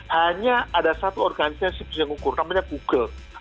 hanya ada satu organisasi yang bisa mengukur namanya google